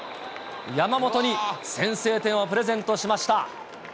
山本に先制点をプレゼントしました。